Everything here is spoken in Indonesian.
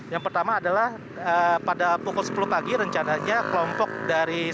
yang pertama adalah pada pukul sepuluh pagi rencananya kelompok dari